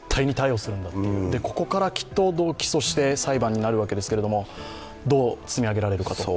ここからきっと、起訴して裁判になるわけですが、どう積み上げられるか。